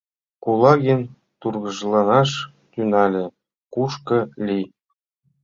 Кулагин тургыжланаш тӱҥале: «Кушко лий?